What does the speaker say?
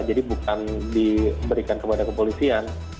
jadi bukan diberikan kepada kepolisian